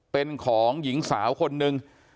เป็นของหญิงสาวคนนึง